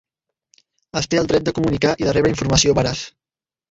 Es té el dret de comunicar i de rebre informació veraç.